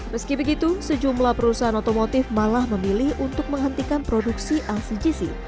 meski begitu sejumlah perusahaan otomotif malah memilih untuk menghentikan produksi lcgc